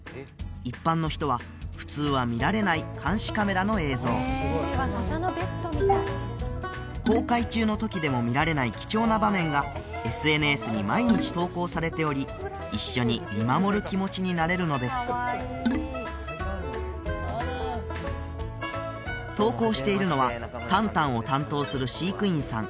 一般の人は普通は見られない監視カメラの映像公開中の時でも見られない貴重な場面がＳＮＳに毎日投稿されており一緒に見守る気持ちになれるのです投稿しているのは旦旦を担当する飼育員さん